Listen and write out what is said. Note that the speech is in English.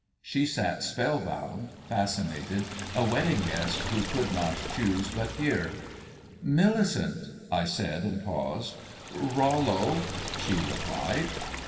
She sat spellbound, fascinated, a wedding guest who could not choose but hear. "Millicent " I said, and paused. "Rollo " she replied.